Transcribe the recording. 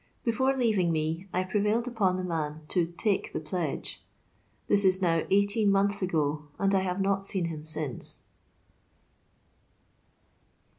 Before leaving me I prevailed upon the man to " take the pledge." Tliis is now dghteen months ago, and I nave not seen him since.